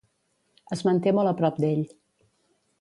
Es manté molt a prop d'ell.